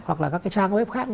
hoặc là các trang web khác